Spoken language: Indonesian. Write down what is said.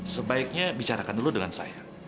sebaiknya bicarakan dulu dengan saya